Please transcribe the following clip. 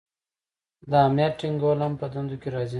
د امنیت ټینګول هم په دندو کې راځي.